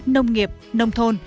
nông nghiệp nông thôn